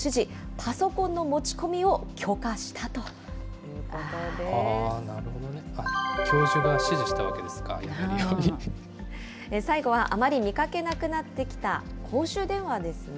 パソコンの持ち込みを許可したとい教授が指示したということで最後はあまり見かけなくなってきた公衆電話ですね。